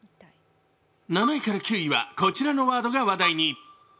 ７位から９位はこちらのワードが話題に。